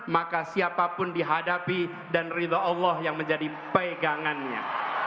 maka siapapun dihadapi dan ridho allah yang menjadi pegangannya